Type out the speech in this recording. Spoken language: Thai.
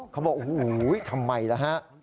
เขาบอกโอ้โหทำไมล่ะฮะ